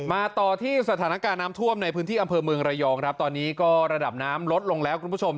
มาต่อที่สถานการณ์น้ำท่วมในพื้นที่อำเภอเมืองระยองครับตอนนี้ก็ระดับน้ำลดลงแล้วคุณผู้ชม